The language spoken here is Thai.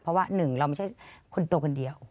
เพราะว่าหนึ่งเราไม่ใช่คนโตคนเดียว